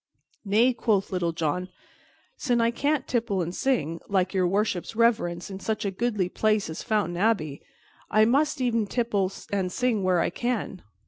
"Nay," quoth Little John, "sin' I cannot tipple and sing, like Your Worship's reverence, in such a goodly place as Fountain Abbey, I must e'en tipple and sing where I can."